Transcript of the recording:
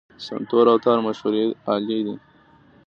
سنتور او تار مشهورې الې دي.